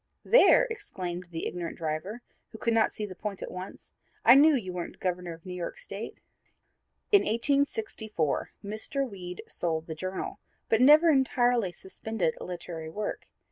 "There," exclaimed the ignorant driver, who could not see the point at once; "I knew you weren't Governor of New York State." In 1864 Mr. Weed sold the Journal, but never entirely suspended literary work.